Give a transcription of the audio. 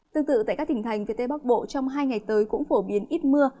tương tự tại các tỉnh thành phía tây bắc bộ trong hai ngày tới cũng phổ biến ít mưa